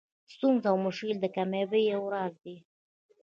ستونزه او مشکل د کامیابۍ یو راز دئ.